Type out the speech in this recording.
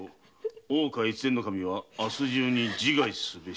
越前守は明日中に自害すべし」